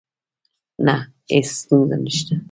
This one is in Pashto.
نه، هیڅ ستونزه نشته